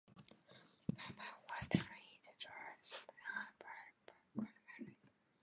Vacant apartments were turned into drug hangouts, and stairwells became violent crime areas.